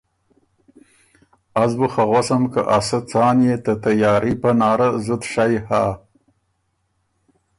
از بُو خه غؤسم که ا سۀ څان يې ته تیاري پناره زُت شئ هۀ۔